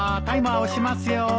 タイマー押しますよ。